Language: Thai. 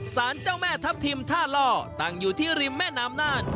สารเจ้าแม่ทัพทิมท่าล่อตั้งอยู่ที่ริมแม่น้ำน่าน